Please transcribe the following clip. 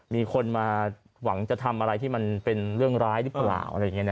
มีคนมาหวังจะทำอะไรที่มันเป็นเรื่องร้ายหรือเปล่า